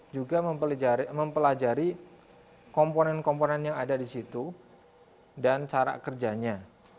juga mempelajari komponen komponen yang ada di situ dan cara kerjanya